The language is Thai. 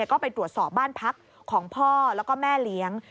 ก็ไปตรวจสอบบ้านพักของพ่อแล้วก็แม่เลี้ยง